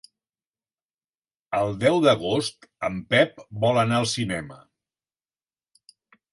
El deu d'agost en Pep vol anar al cinema.